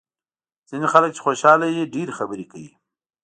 ځینې خلک چې خوشاله وي ډېرې خبرې کوي.